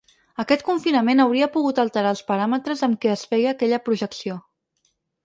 Aquest confinament hauria pogut alterar els paràmetres amb què es feia aquella projecció.